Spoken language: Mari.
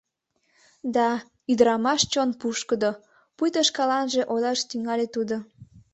— Да, ӱдрамаш чон пушкыдо, — пуйто шкаланже ойлаш тӱҥале тудо.